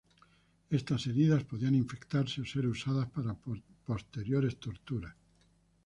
Estas heridas podían infectarse, o ser usadas para posteriores torturas.